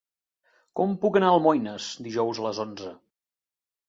Com puc anar a Almoines dijous a les onze?